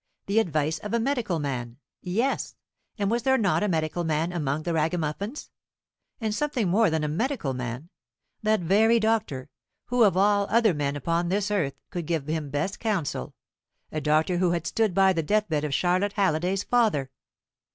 The advice of a medical man? Yes; and was there not a medical man among the Ragamuffins? and something more than a medical man? That very doctor, who of all other men upon this earth could best give him counsel the doctor who had stood by the deathbed of Charlotte Halliday's father.